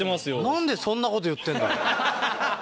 何でそんなこと言ってんだろう？